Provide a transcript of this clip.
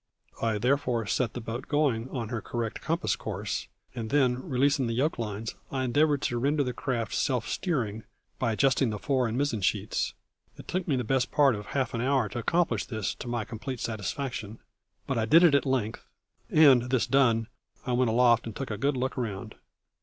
I therefore set the boat going on her correct compass course, and then, releasing the yoke lines, I endeavoured to render the craft self steering by adjusting the fore and mizen sheets. It took me the best part of half an hour to accomplish this to my complete satisfaction, but I did it at length and, this done, I went aloft and took a good look round.